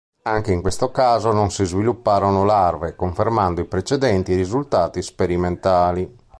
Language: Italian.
Anche in questo caso non si svilupparono larve, confermando i precedenti risultati sperimentali.